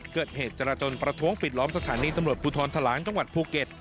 เกิดเหตุจราจนประท้วงปิดล้อมสถานีตำรวจภูทรทะลางจังหวัดภูเก็ต